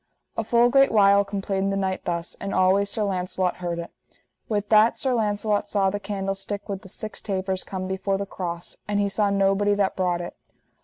A full great while complained the knight thus, and always Sir Launcelot heard it. With that Sir Launcelot saw the candlestick with the six tapers come before the cross, and he saw nobody that brought it.